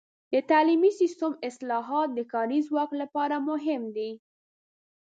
د تعلیمي سیستم اصلاحات د کاري ځواک لپاره مهم دي.